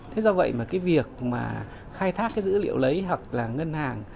thế do vậy mà cái việc khai thác dữ liệu lấy hoặc là ngân hàng